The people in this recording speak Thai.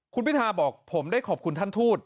คุณพิทาบอกผมได้ขอบคุณท่านทูต